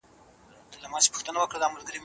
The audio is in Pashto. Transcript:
که ښځه ناروغه وي، خاوند باید خدمت وکړي.